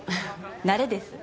慣れです。